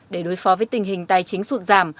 để đối phó với tình hình tài chính sụt giảm